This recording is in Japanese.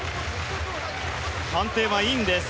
判定はインです。